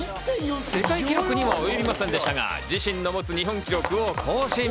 世界記録には及びませんでしたが、自身の持つ日本記録を更新。